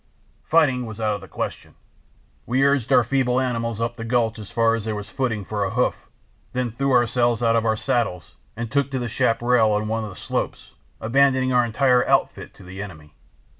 Fighting was out of the question: we urged our feeble animals up the gulch as far as there was footing for a hoof, then threw ourselves out of our saddles and took to the chaparral on one of the slopes, abandoning our entire outfit to the enemy.